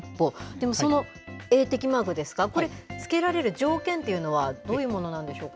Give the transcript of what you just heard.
でもその映適マークですか、これ、つけられる条件というのはどういうものなんでしょうか。